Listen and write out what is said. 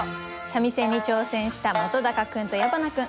三味線に挑戦した本君と矢花君。